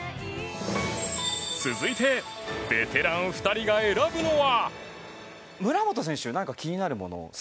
続いてベテラン２人が選ぶのは。